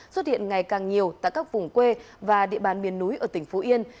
xuất hiện ngày càng nhiều tại các vùng quê và địa bàn miền núi ở tỉnh phú yên